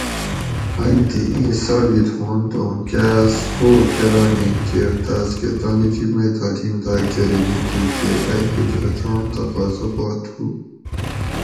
ان تھی اِیں ثابت ہوانت اُوں کاۤس پو کۤراگیں کیر تاۤس کہ تانی جِب مئی تعلیم داۤگ ضریلی تُھو تے ائی فطرتاں تقاضہ پا تُھو